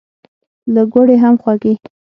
له ګوړې هم خوږې.